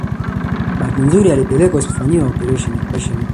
Bahati nzuri alipelekwa hospitali na kufanjiwa operation